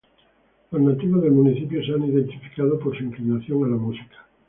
Los nativos del municipio, se han identificado por su inclinación a la música.